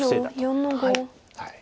白４の五。